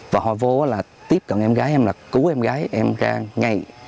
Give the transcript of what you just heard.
và họ vô là tiếp cận em gái em là cứu em gái em ra ngay